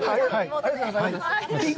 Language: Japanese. ありがとうございます。